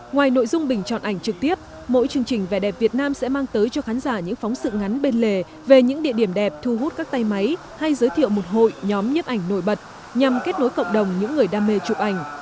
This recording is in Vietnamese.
ngoài nội dung bình chọn ảnh trực tiếp mỗi chương trình vẻ đẹp việt nam sẽ mang tới cho khán giả những phóng sự ngắn bên lề về những địa điểm đẹp thu hút các tay máy hay giới thiệu một hội nhóm nhếp ảnh nổi bật nhằm kết nối cộng đồng những người đam mê chụp ảnh